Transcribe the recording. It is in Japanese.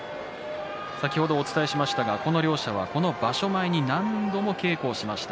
先ほどお伝えしましたがこの場所前に何度も稽古をしました。